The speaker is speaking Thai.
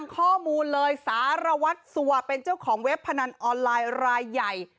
ข้อมูลเลยสารวัตรสัวเป็นเจ้าของเว็บพนันออนไลน์รายใหญ่